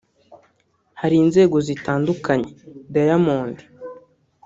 Hari inzego zitandukanye; Diamond